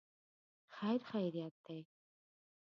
خیر خیریت دی.